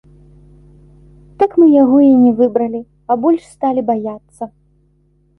Так мы яго і не выбралі, а больш сталі баяцца.